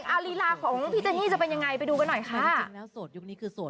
อัลลิลาของพี่เจนนี่จะเป็นยังไงไปดูกันหน่อยค่ะ